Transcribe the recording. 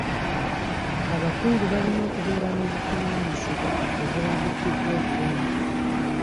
Abakungu balina okubeera n'obuvunaanyizibwa obulambikiddwa obulungi.